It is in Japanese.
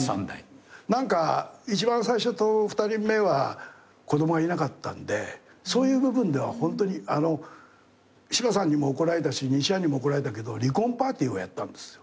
何か一番最初と２人目は子供いなかったんでそういう部分ではホントに柴さんにも怒られたし西やんにも怒られたけど離婚パーティーをやったんですよ。